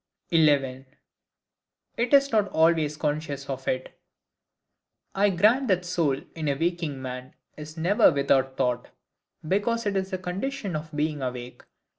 11. It is not always conscious of it. I grant that the soul, in a waking man, is never without thought, because it is the condition of being awake.